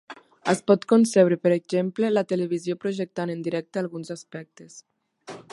Es pot concebre, per exemple, la televisió projectant en directe alguns aspectes.